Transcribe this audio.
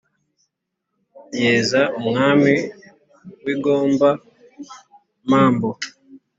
yaza umwami w'i gomba-mambo.